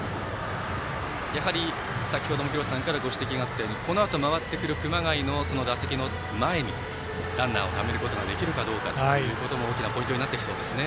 やはり、先ほども廣瀬さんからご指摘があったようにこのあと回ってくる熊谷の打席の前にランナーをためることができるかどうかというのも大きなポイントになってきそうですね。